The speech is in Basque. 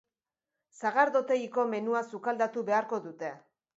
Sagardotegiko menua sukaldatu beharko dute.